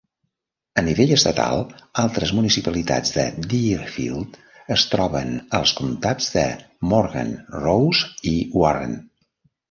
A nivell estatal, altres municipalitats de Deerfield es troben als comtats de Morgan, Ross i Warren.